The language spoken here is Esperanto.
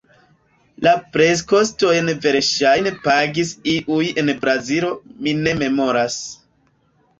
La preskostojn verŝajne pagis iuj en Brazilo – mi ne memoras.